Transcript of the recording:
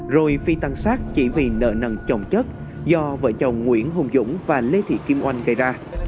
rồi phi tăng sát chỉ vì nợ nần trồng chất do vợ chồng nguyễn hùng dũng và lê thị kim oanh gây ra